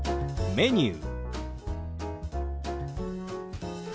「メニュー」。